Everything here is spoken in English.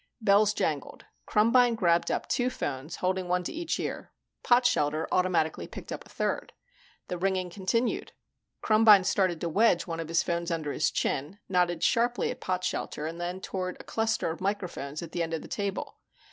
Bells jangled. Krumbine grabbed up two phones, holding one to each ear. Potshelter automatically picked up a third. The ringing continued. Krumbine started to wedge one of his phones under his chin, nodded sharply at Potshelter and then toward a cluster of microphones at the end of the table.